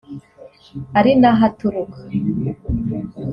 ari naho aturuka